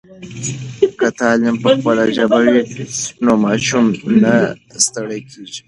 که تعلیم په خپله ژبه وي نو ماشوم نه ستړی کېږي.